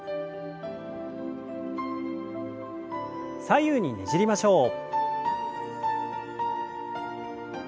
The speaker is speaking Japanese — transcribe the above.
左右にねじりましょう。